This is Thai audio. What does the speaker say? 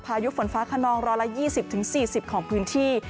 พายุฝนฟ้าขนอง๑๒๐๔๐ของพื้นที่